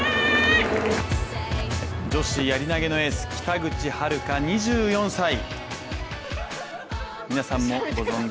女子やり投げのエース・北口榛花、２４歳。